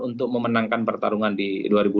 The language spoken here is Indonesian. untuk memenangkan pertarungan di jawa timur